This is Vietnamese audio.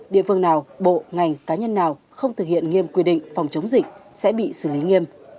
địa phương nào bộ ngành cá nhân nào không thực hiện nghiêm quy định phòng chống dịch sẽ bị xử lý nghiêm